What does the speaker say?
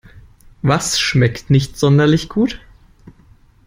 Was schmeckt nicht sonderlich gut?